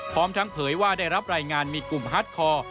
พร้อมทั้งเผยว่าได้รับรายงานมีกลุ่มฮาร์ดคอร์